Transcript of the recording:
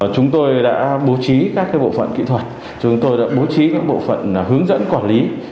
chúng tôi đã bố trí các bộ phận kỹ thuật chúng tôi đã bố trí các bộ phận hướng dẫn quản lý